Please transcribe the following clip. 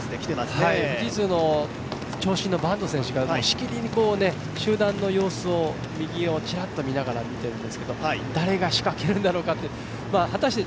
富士通の長身の坂東選手がしきりに集団の様子を右をちらっと見ながらしてるんですけど誰が仕かけるんだろうと。